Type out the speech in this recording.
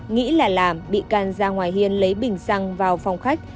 nghĩ là làm bị can ra ngoài hiên lấy bình xăng vào phòng khách